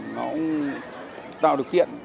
nó cũng tạo được tiện